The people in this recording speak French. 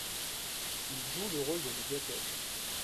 Ils jouent le rôle de médiateurs.